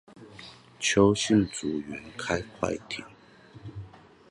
邱姓組員開快艇